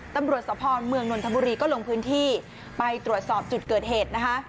ตำรวจสภเมืองนนทบุรีก็ลงพื้นที่ไปตรวจสอบจุดเกิดเหตุนะคะ